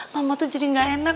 tamu tuh jadi gak enak